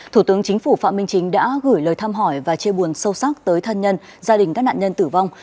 thủ tướng chính phủ phạm minh chính đã gửi lời thăm hỏi và chia buồn sâu sắc tới thân nhân gia đình các nạn nhân tử vong